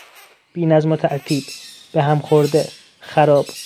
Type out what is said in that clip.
بینظم و ترتیب، به هم خورده، خراب